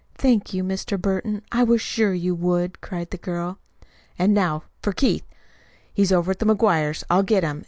"Thank you, Mr. Burton. I was sure you would," cried the girl. "And now for Keith! He's over to the McGuires'. I'll get him!"